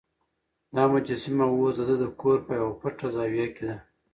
دا مجسمه اوس د ده د کور په یوه پټه زاویه کې ده.